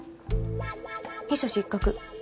秘書失格。